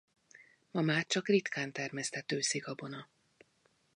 Ma már csak ritkán termesztett őszi gabona.